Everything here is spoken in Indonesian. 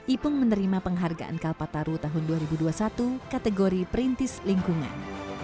ipung menerima penghargaan kalpataru tahun dua ribu dua puluh satu kategori perintis lingkungan